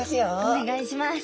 お願いします。